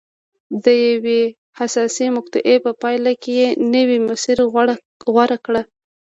د یوې حساسې مقطعې په پایله کې یې نوی مسیر غوره کړ.